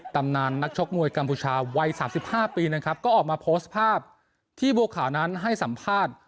ตำนานนักชกมวยกัมพูชาวัย๓๕ปีนะครับก็ออกมาโพสต์ภาพที่บัวขาวนั้นให้สัมภาษณ์